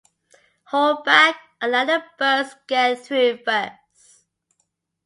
Hold back and let the bus get through first.